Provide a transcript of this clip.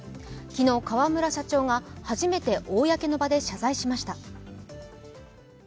昨日、河村社長が初めて公の場で謝罪しました。